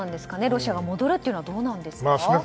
ロシアが戻るというのはどうなんでしょうか？